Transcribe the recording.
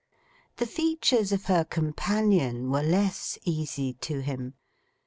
The features of her companion were less easy to him.